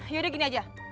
yaudah gini aja